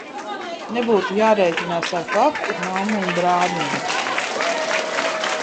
Nebūtu jārēķinās ar papu, mammu un brāļiem.